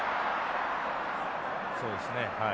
そうですねはい。